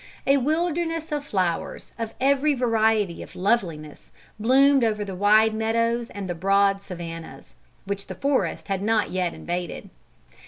A wilderness of flowers, of every variety of loveliness, bloomed over the wide meadows and the broad savannahs, which the forest had not yet invaded.